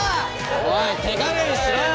おい手加減しろよ！